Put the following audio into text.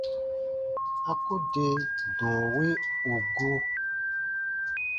A ku de dɔ̃ɔ wi ù gu.